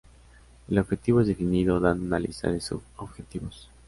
El objetivo es definido dando una lista de sub-objetivos.